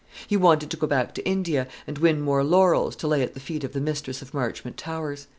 He wanted to go back to India, and win more laurels, to lay at the feet of the mistress of Marchmont Towers.